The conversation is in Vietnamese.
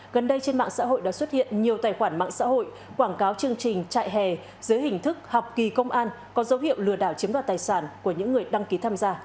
gần đây trên mạng xã hội đã xuất hiện nhiều tài khoản mạng xã hội quảng cáo chương trình trại hè dưới hình thức học kỳ công an có dấu hiệu lừa đảo chiếm đoạt tài sản của những người đăng ký tham gia